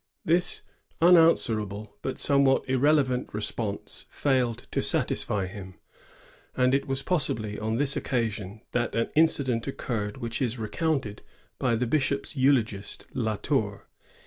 ^ Thia unanswerable but somewhat irreleyant re sponse fiuled to satisfy him, and it was possibly on this occasion that an incident occurred which is recounted by the bishop's eulogist, La Tour.